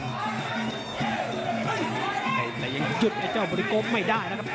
แต่ยังหยุดไอ้เจ้าบริโกไม่ได้นะครับ